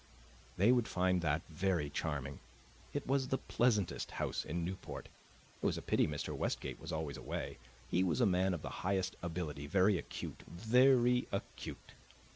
They would find that very charming; it was the pleasantest house in Newport. It was a pity Mr. Westgate was always away; he was a man of the highest ability very acute, very acute.